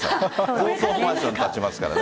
高層マンション、立ちますから。